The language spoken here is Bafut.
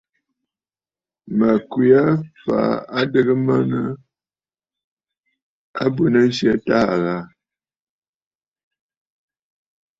Mə̀ kwe aa fàa adɨgə mə à nɨ abwenənsyɛ bɨ̂taà aà.